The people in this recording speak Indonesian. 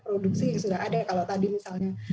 produksi yang sudah ada kalau tadi misalnya